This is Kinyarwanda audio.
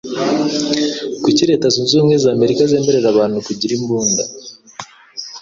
Kuki leta zunzubumwe zamerika zemerera abantu kugira imbunda?